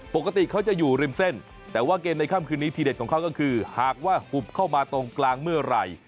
ปกติเขาจะอยู่ริมเส้นแต่ว่าเกมในค่ำคืนนี้ทีเด็ดของเขาก็คือหากว่าหุบเข้ามาตรงกลางเมื่อไหร่